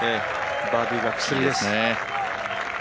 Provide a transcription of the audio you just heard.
バーディーが薬です。